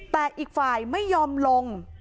แต่อีกฝ่ายไม่ยอมลง